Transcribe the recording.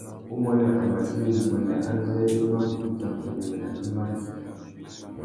Umuênê a mà djï nguêndê azê i mà kutu tsaka unyêmê nà tsámbá rissú.